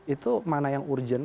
itu mana yang urgent